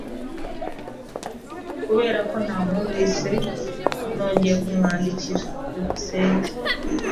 Kubera ko ntamwumvise, nongeye kumwandikira. byukusenge